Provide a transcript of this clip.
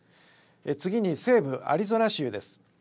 次に西部アリゾナ州です。